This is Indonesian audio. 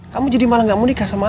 kamu jadi malah gak menikah sama aku